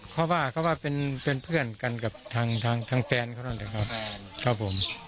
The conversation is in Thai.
เขาบอกเป็นเพื่อนกันกับทางแฟนเขานั้นครับ